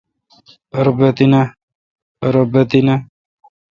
پر بہ تینہ۔